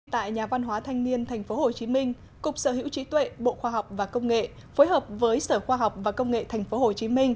tại nhà văn hóa thanh niên tp hcm cục sở hữu trí tuệ bộ khoa học và công nghệ phối hợp với sở khoa học và công nghệ tp hcm